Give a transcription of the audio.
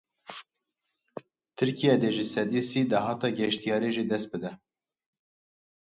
Tirkiye dê ji sedî sî dahata geştyariyê ji dest bide.